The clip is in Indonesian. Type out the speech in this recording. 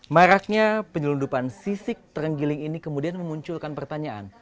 maraknya penyelundupan sisik terenggiling ini kemudian memunculkan pertanyaan